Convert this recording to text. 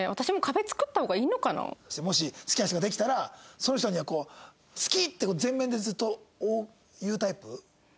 もし好きな人ができたらその人には「好き！」って前面でずっと言うタイプ？